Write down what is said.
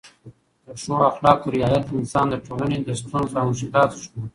د ښو اخلاقو رعایت انسان د ټولنې له ستونزو او مشکلاتو ژغوري.